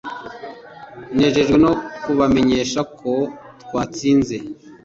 nejejwe no kubamenyesha ko twatsinze